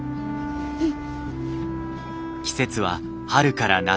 うん。